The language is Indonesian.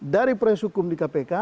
dari proses hukum di kpk